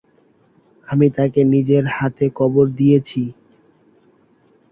আমি তাকে নিজের হাতে কবর দিয়েছি।